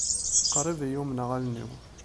Qṛib i yumneɣ allen-iw.